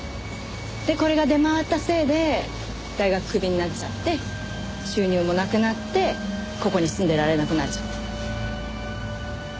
でこれが出回ったせいで大学クビになっちゃって収入もなくなってここに住んでられなくなっちゃった。